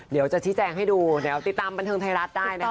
เดี๋ยวจะชี้แจงให้ดูเดี๋ยวติดตามบันเทิงไทยรัฐได้นะคะ